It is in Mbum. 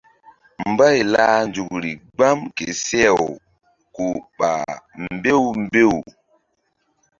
Mbay lah nzukri gbam ke seh-aw ku ɓah mbew mbew.